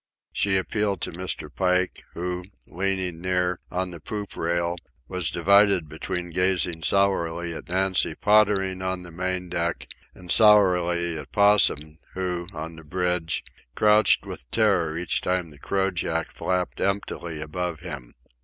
She appealed to Mr. Pike, who, leaning near, on the poop rail, was divided between gazing sourly at Nancy pottering on the main deck and sourly at Possum, who, on the bridge, crouched with terror each time the crojack flapped emptily above him.